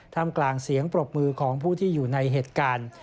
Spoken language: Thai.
ทำกลางเสียงปรบมือของผู้ที่อยู่ในเหตุการณ์